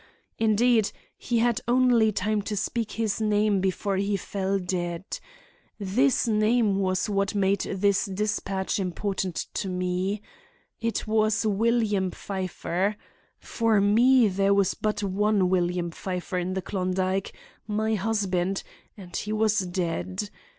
Indeed, he had only time to speak his name before he fell dead. This name was what made this despatch important to me. It was William Pfeiffer. For me there was but one William Pfeiffer in the Klondike—my husband—and he was dead!